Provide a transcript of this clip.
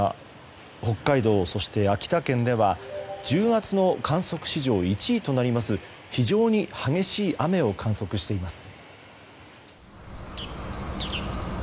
北海道、そして秋田県では１０月の観測史上１位となる非常に激しい雨を観測しています。